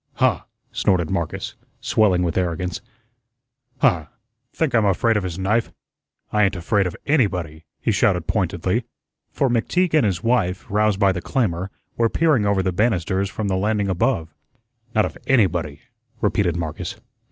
"Huh!" snorted Marcus, swelling with arrogance. "Huh! Think I'm afraid of his knife? I ain't afraid of ANYBODY," he shouted pointedly, for McTeague and his wife, roused by the clamor, were peering over the banisters from the landing above. "Not of anybody," repeated Marcus.